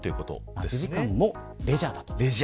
待ち時間もレジャーだと。